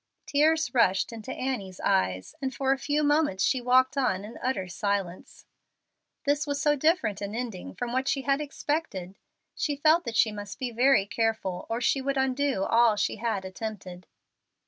Tears rushed into Annie's eyes, and for a few moments she walked on in utter silence. This was so different an ending from what she had expected! She felt that she must be very careful or she would undo all she had attempted.